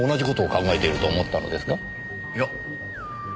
いや。